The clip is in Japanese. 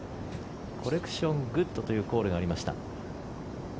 コレクショングッドというコールがありました。